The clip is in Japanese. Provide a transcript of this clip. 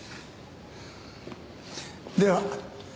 では。